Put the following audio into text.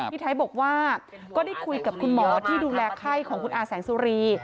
พี่ไทยบอกว่าก็ได้คุยกับคุณหมอที่ดูแลไข้ของคุณอาแสงสุรี